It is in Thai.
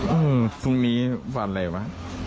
อืมพรุ่งนี้วันอะไรวะ